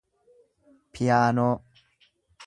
piyaanoo